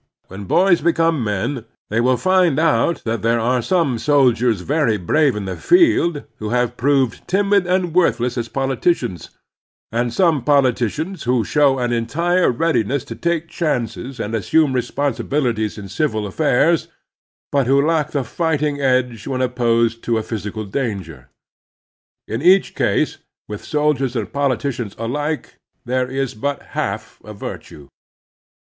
When boys become men they will find out that there are some soldiers very brave in the field who have proved timid and worthless as politicians, and some politicians who show an entire readiness to take chances and asstmie responsibilities in civil affairs, but who lack the fighting edge when op posed to physical danger. In each case, with sol diers and politicians alike, there is but half a virtue.